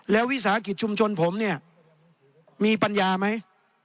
แล้ววิสาหกิจชุมชนผมเนี่ยมีปัญญาไหม